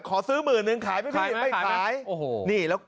ขอซื้อหมื่นหนึ่งขายไหมไม่ขายขายไหมไม่ขายโอ้โหนี่แล้ว